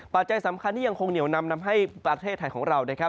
ปัจจัยสำคัญที่ยังคงเหนียวนำให้ประเทศไทยของเรา